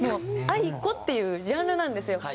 もう「ａｉｋｏ」っていうジャンルなんですよ。